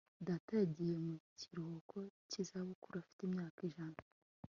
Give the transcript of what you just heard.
data yagiye mu kiruhuko cy'izabukuru afite imyaka ijana